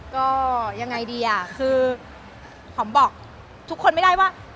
ก็ยังไงดีอ่ะคือหอมบอกทุกคนไม่ได้ว่า